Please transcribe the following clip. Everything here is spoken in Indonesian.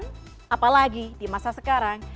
dan apalagi di masa sekarang